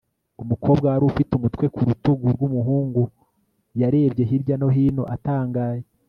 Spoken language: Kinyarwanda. umukobwa wari ufite umutwe ku rutugu rw'umuhungu, yarebye hirya no hino atangaye